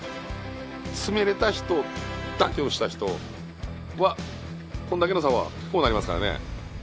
詰められた人妥協した人はこんだけの差はこうなりますからね。